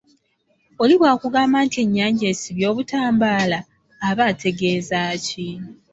Oli bw’akugamba nti ennyanja esibye obutambaala aba ategeeza ki?